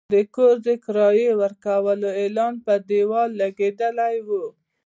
د کور د کرایې ورکولو اعلان پر دېوال لګېدلی و.